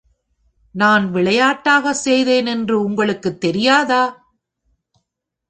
நான் விளையாடாக செய்தேன் என்று உங்களுக்குத் தெரியாதா?